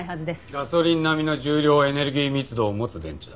ガソリン並みの重量エネルギー密度を持つ電池だ。